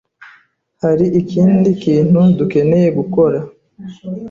Hari ikindi kintu dukeneye gukora?